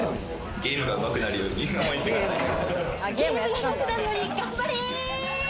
ゲームがうまくなるように頑張れ！